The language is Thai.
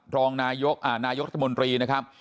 รองนายกรัฐมนตรีนะครับ